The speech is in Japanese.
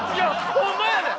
ホンマやねん！